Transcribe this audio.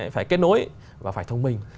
phải kết nối và phải thông minh